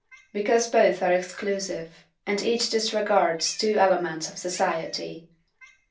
Because both are exclusive, and each disregards two elements of society.